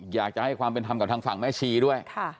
อยากจะให้ความเป็นธรรมกับทางฝั่งแม่ชีด้วย